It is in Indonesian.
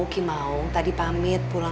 kamu gak papa kan